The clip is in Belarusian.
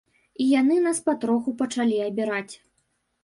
І яны нас патроху пачалі абіраць.